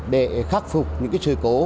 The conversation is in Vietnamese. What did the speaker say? để khắc phục những cái sự cố